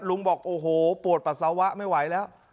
บอกโอ้โหปวดปัสสาวะไม่ไหวแล้ว